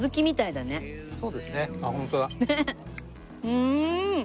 うん。